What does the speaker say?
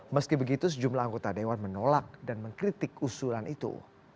meski begitu sejumlah anggota dewan menolak dan mengkritik usulan itu